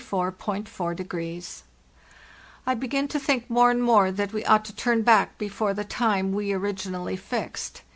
"fT begin to think more and more that we ought to turn back before the time we originally fixed.